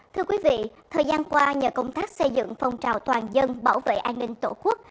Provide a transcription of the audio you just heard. thưa quý vị thời gian qua nhờ công tác xây dựng phong trào toàn dân bảo vệ an ninh tổ quốc